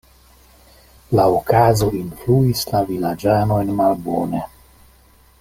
La okazo influis la vilaĝanojn malbone.